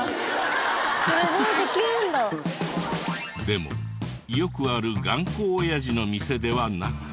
でもよくある頑固おやじの店ではなく。